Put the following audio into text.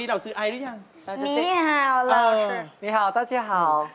ฮ่าฮ่าฮ่า